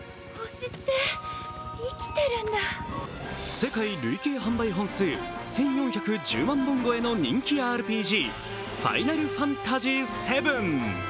世界累計販売本数１４１０万本超えの人気ＲＰＧ、「ファイナルファンタジーⅦ」。